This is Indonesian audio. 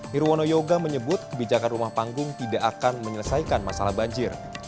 nirwono yoga menyebut kebijakan rumah panggung tidak akan menyelesaikan masalah banjir